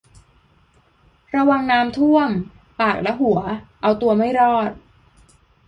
ระวังน้ำท่วม ปากและหัว เอาตัวไม่รอด